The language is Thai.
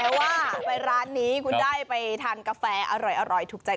แต่ว่าไปร้านนี้คุณได้ไปทานกาแฟอร่อยถูกใจ